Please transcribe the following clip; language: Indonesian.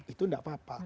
itu tidak apa apa